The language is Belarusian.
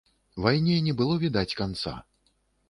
Вайне не было відаць канца.